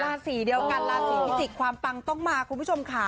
ราศีเดียวกันราศีพิจิกษ์ความปังต้องมาคุณผู้ชมค่ะ